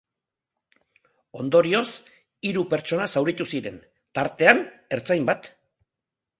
Ondorioz, hiru pertsona zauritu ziren, tartean ertzain bat.